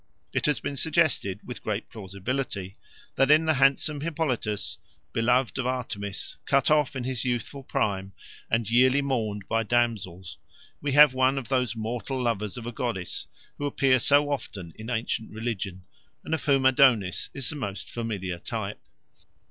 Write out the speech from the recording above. It has been suggested, with great plausibility, that in the handsome Hippolytus, beloved of Artemis, cut off in his youthful prime, and yearly mourned by damsels, we have one of those mortal lovers of a goddess who appear so often in ancient religion, and of whom Adonis is the most familiar type.